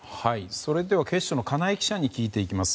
それでは警視庁の金井記者に聞いていきます。